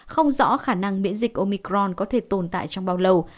không rõ khả năng miễn dịch omicron có thể tồn tại trong bao lâu